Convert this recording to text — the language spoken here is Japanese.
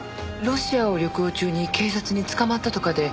ロシアを旅行中に警察に捕まったとかで。